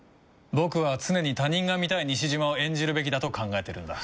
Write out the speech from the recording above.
僕は常に他人が見たい西島を演じるべきだと考えてるんだ。